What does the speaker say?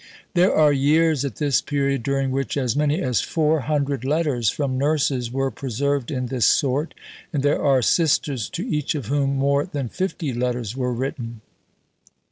There are years at this period during which as many as 400 letters from nurses were preserved in this sort, and there are Sisters to each of whom more than fifty letters were written.